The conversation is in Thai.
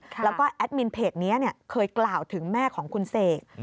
แล้วก็แอดมินเพจนี้เคยกล่าวถึงแม่ของคุณเสก